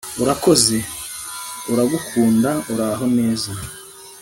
urakoze, uragukunda, uraho neza